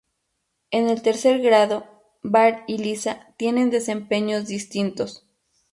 En el tercer grado, Bart y Lisa tienen desempeños distintos.